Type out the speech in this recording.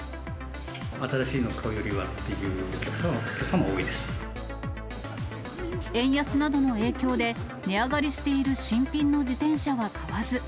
新しいのを買うよりはという円安などの影響で、値上がりしている新品の自転車は買わず。